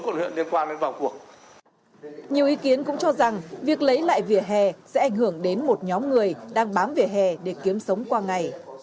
nhiều ý kiến cũng cho rằng việc lấy lại vỉa hè sẽ ảnh hưởng đến một nhóm người đang bám vỉa hè để kiếm sống qua ngày